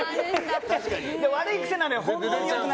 悪い癖なのよ。